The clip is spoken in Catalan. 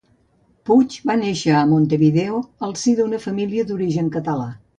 Puig va néixer a Montevideo, al si d'una família d'origen català.